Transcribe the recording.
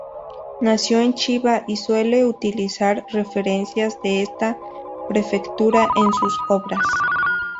Nació en Chiba y suele utilizar referencias de esta prefectura en sus obras.